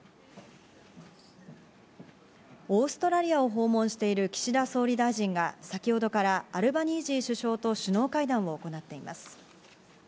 オーストラリアを訪問している岸田総理大臣が先ほどからアルバニージー首相と首脳会談を行っています。